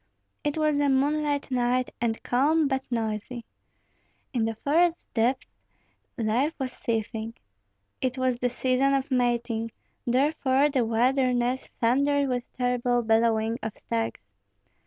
It was a moonlight night, and calm, but noisy. In the forest depths life was seething. It was the season of mating; therefore the wilderness thundered with terrible bellowing of stags.